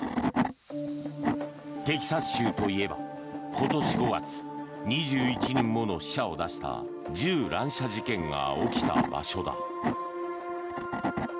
テキサス州といえば今年５月２１人もの死者を出した銃乱射事件が起きた場所だ。